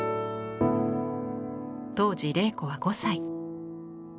当時麗子は５歳。